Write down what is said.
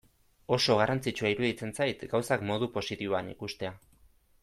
Oso garrantzitsua iruditzen zait gauzak modu positiboan ikustea.